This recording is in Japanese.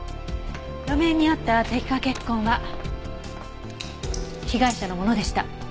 路面にあった滴下血痕は被害者のものでした。